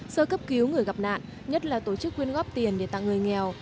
sơ cấp cứu người gặp nạn nhất là tổ chức quyên góp tiền để tặng người nghèo